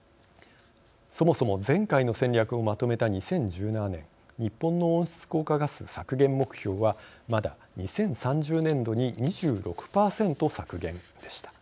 そもそも前回の戦略をまとめた２０１７年日本の温室効果ガス削減目標はまだ２０３０年度に２６％削減でした。